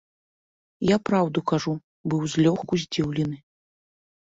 Я, праўду кажучы, быў злёгку здзіўлены.